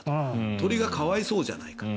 鳥が可哀想じゃないかと。